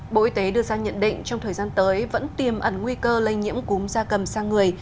bộ y tế đưa ra nhận định trong thời gian tới vẫn tiềm ẩn nguy cơ lây nhiễm cúm da cầm sang người